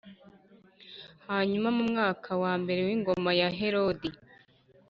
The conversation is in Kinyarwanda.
Hanyuma mu mwaka wa mbere w’ingoma ya Herodi